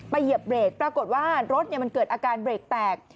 เหยียบเบรกปรากฏว่ารถมันเกิดอาการเบรกแตก